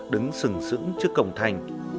đứng sửng sững trước cổng thành